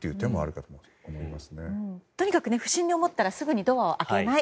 とにかく不審に思ったらすぐにドアを開けない。